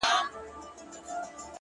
بيا به تاوان راکړې د زړگي گلي ـ